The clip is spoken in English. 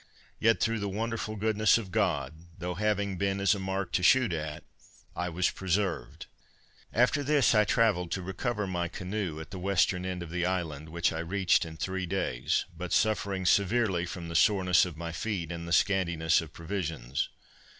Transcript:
Yet through the wonderful goodness of God, though having been as a mark to shoot at, I was preserved. After this I travelled to recover my canoe at the western end of the island, which I reached in three days, but suffering severely from the soreness of my feet, and the scantiness of provisions.